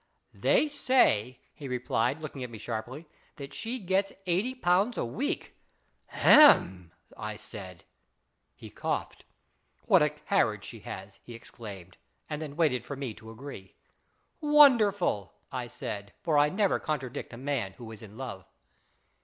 " They say," he replied, looking at me sharply, " that she gets eighty pounds a week." " Hem !" I said. He coughed. " What a carriage she has !" he exclaimed ; and then waited for me to agree. " Wonderful !" I said, for I never contradict a man who is in love.